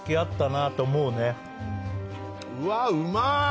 うわうまい！